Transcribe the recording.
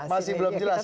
masih belum jelas